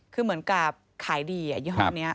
คือเหมือนกับขายดีอย่างยอดนี้